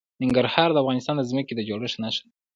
ننګرهار د افغانستان د ځمکې د جوړښت نښه ده.